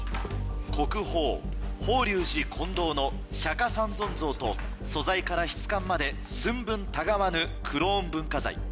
国宝法隆寺金堂の釈迦三尊像と素材から質感まで寸分たがわぬクローン文化財。